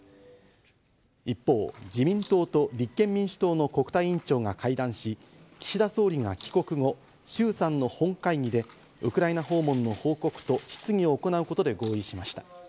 一方、自民党と立憲民主党の国対委員長が会談し、岸田総理は帰国後、衆参の本会議でウクライナ訪問の報告と質疑を行うことで合意しました。